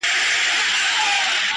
د ميني ننداره ده _ د مذهب خبره نه ده _